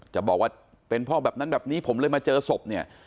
จะบอกว่าเป็นพ่อแบบนั้นแบบนี้ผมเลยมาเจอศพเนี่ย